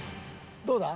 どうだ？